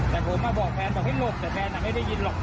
แต่ผมมาบอกแฟนบอกให้หลบแต่แฟนไม่ได้ยินหรอก